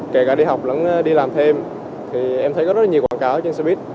kể cả đi học lắm đi làm thêm em thấy có rất nhiều quảng cáo trên xe buýt